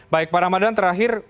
pak ramadan terakhir